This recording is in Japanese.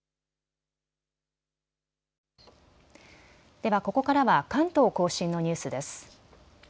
ではここからは関東甲信のニュースです。